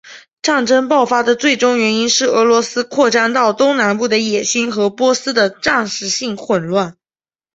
战争爆发的最终原因是俄罗斯扩张到东南部的野心和波斯的暂时性混乱。